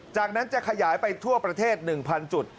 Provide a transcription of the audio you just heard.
จากนั้นจะขยายไปทั่วประเทศ๑๐๐จุด